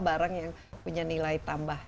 barang yang punya nilai tambah